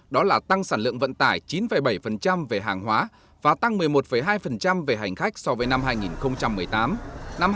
đó là tăng sản lượng vận tải chín bảy về hàng hóa và tăng một mươi một hai về hành khách so với năm hai nghìn một mươi tám